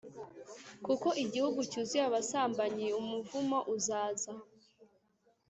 Kuko igihugu cyuzuye abasambanyi umuvumo uzaza